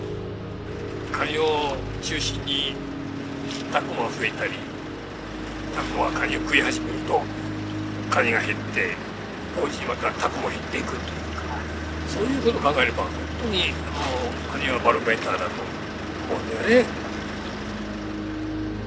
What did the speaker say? カニを中心にタコが増えたりタコがカニを食い始めるとカニが減ってタコも減っていくというそういうこと考えればほんとにカニはバロメーターだと思うんだよね。